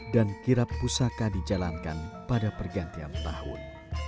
dan kirap pusaka dijalankan pada pergantian tahun